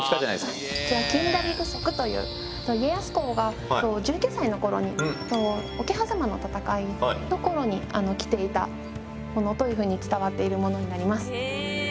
家康公が１９歳の頃に桶狭間の戦いの頃に着ていたものというふうに伝わっているものになります。